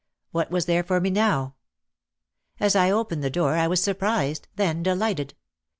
What was there for me now? As I opened the door I was surprised, then delighted.